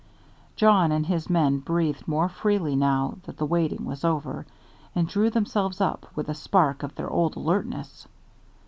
Jawn and his men breathed more freely now that the waiting was over, and drew themselves up with a spark of their old alertness.